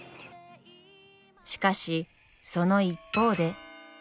しかしその一方で。